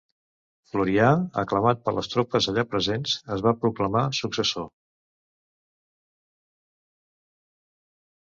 Florià, aclamat per les tropes allà presents es va proclamar successor.